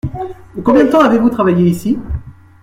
Combien de temps avez-vous travaillé ici ?